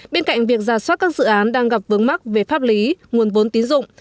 bên cạnh việc giả soát các dự án đang gặp vướng mắc về pháp lý nguồn vốn tín dụng